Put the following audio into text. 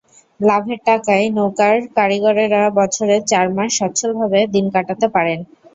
লাভের টাকায় নৌকার কারিগরেরা বছরের চার মাস সচ্ছলভাবে দিন কাটাতে পারেন।